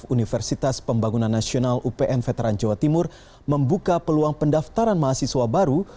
universitas pembangunan nasional upn veteran jawa timur membuka peluang pendaftaran mahasiswa baru